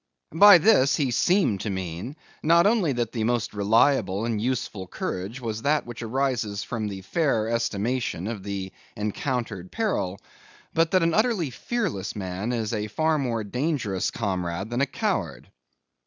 By this, he seemed to mean, not only that the most reliable and useful courage was that which arises from the fair estimation of the encountered peril, but that an utterly fearless man is a far more dangerous comrade than a coward.